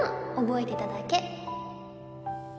覚えてただけ